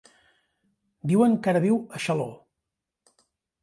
Diuen que ara viu a Xaló.